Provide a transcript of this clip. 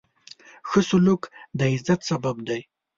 ښه سلوک د عزت سبب دی.